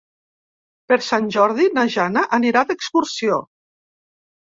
Per Sant Jordi na Jana anirà d'excursió.